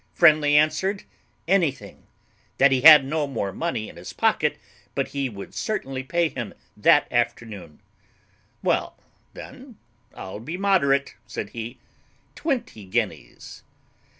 Friendly answered, anything; that he had no more money in his pocket, but he would certainly pay him that afternoon. "Well, then, I'll be moderate," said he; "twenty guineas."